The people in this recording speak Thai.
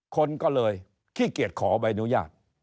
คนก็เลยขี้เกียจขอใบอนุญาต